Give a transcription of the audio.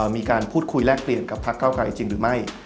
มีการพูดคุยแลกเปลี่ยนกับพักเก้าไกรจริงหรือไม่